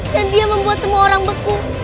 dan dia membuat semua orang beku